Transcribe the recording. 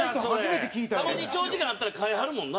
たまに、長時間やったら換えはるもんな。